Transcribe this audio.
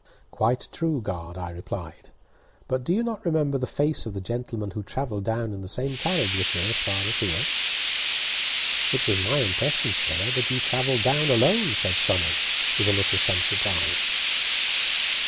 "Quite true, guard," I replied; "but do you not remember the face of the gentleman who travelled down in the same carriage with me as far as here?" "It was my impression, sir, that you travelled down alone," said Somers, with a look of some surprise.